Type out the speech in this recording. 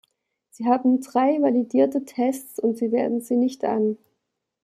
Sie haben drei validierte Tests, und Sie wenden sie nicht an!